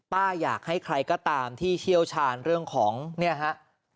อยากให้ใครก็ตามที่เชี่ยวชาญเรื่องของเนี่ยฮะ